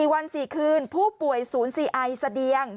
วัน๔คืนผู้ป่วยศูนย์ซีไอเสดียง